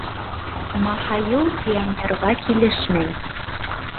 Маһайыу пионерға килешмәй.